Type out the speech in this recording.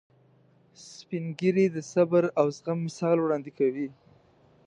سپین ږیری د صبر او زغم مثال وړاندې کوي